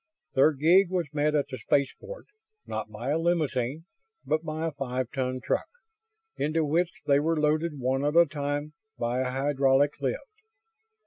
Their gig was met at the spaceport; not by a limousine, but by a five ton truck, into which they were loaded one at a time by a hydraulic lift.